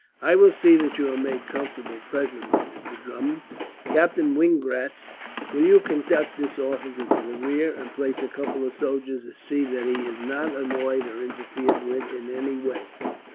"I will see that you are made comfortable, presently, Mr. Drummond. "Captain Wingratz, will you conduct this officer to the rear, and place a couple of soldiers to see that he is not annoyed or interfered with, in any way?"